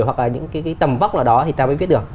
hoặc là những cái tầm vóc nào đó thì ta mới viết được